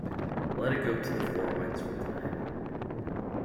Let it go to the four winds for tonight.